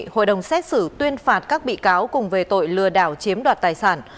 hội đồng xét xử tuyên phạt các bị cáo cùng về tội lừa đảo chiếm đoạt tài sản